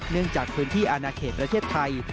จากพื้นที่อาณาเขตประเทศไทย